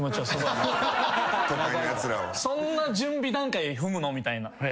そんな準備段階踏むの？みたいな。